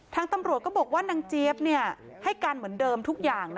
ทางตำรวจก็บอกว่านางเจี๊ยบให้การเหมือนเดิมทุกอย่าง